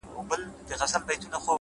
• چي ياد پاته وي ـ ياد د نازولي زمانې ـ